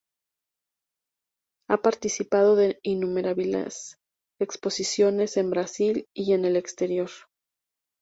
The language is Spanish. Ha participado de innumerables exposiciones en el Brasil y en el exterior.